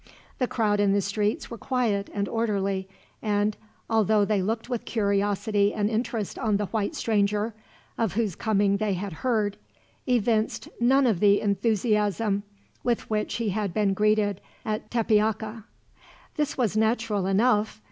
The crowd in the streets were quiet and orderly and, although they looked with curiosity and interest on the white stranger, of whose coming they had heard, evinced none of the enthusiasm with which he had been greeted at Tepeaca. This was natural enough.